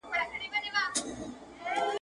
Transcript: د وصال سراب ته ګورم، پر هجران غزل لیکمه.